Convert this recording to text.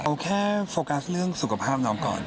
เอาแค่โฟกัสเรื่องสุขภาพน้องก่อน